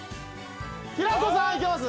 平子さんいけます？